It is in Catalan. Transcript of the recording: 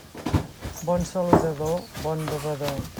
Bon saludador, bon bevedor.